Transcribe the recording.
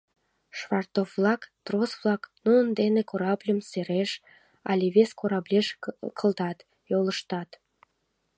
Швартов-влак — трос-влак, нунын дене корабльым сереш але вес кораблеш кылдат, йолыштат.